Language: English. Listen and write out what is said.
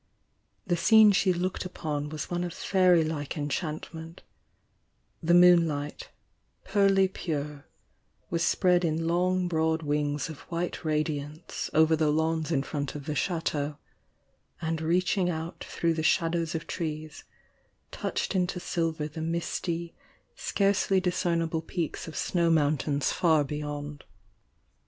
The scene she looked upon was one of fairy fike enchantment, — the moonlight, pearly pure, was spread in long broad wings of white radiance over the lawns in front of the Chateau, and reach ing out through the shadows of trees, touched into silver the misty, scarcely discernible peaks of snow mountains far beyond.